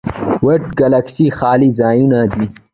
د وایډز ګلکسي خالي ځایونه دي.